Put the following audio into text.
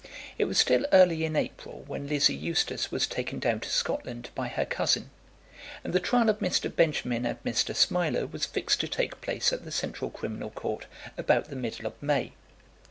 It was still early in April when Lizzie Eustace was taken down to Scotland by her cousin, and the trial of Mr. Benjamin and Mr. Smiler was fixed to take place at the Central Criminal Court about the middle of May.